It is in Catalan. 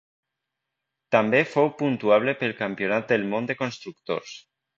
També fou puntuable pel Campionat del món de constructors.